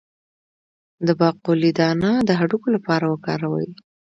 د باقلي دانه د هډوکو لپاره وکاروئ